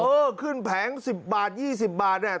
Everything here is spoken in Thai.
เออขึ้นแผง๑๐บาท๒๐บาทเนี่ย